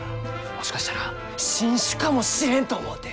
もしかしたら新種かもしれんと思うて！